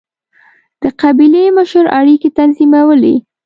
د قبیلې مشر اړیکې تنظیمولې.